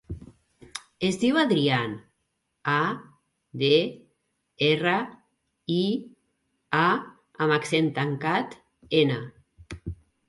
Es diu Adrián: a, de, erra, i, a amb accent tancat, ena.